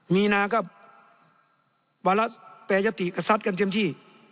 มีนาก็วัละแปรยติกับสัตว์กันเตรียมที่